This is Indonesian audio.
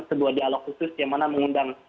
sebuah dialog khusus yang mana mengundang